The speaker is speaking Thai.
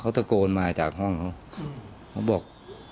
เขาตะโกนมาจากห้องเขาเขาบอก